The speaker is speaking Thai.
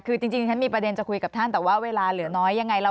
คือจริงฉันมีประเด็นจะคุยกับท่านแต่ว่าเวลาเหลือน้อยยังไง